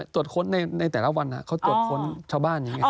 ตรวจค้นในแต่ละวันเขาตรวจค้นชาวบ้านอย่างนี้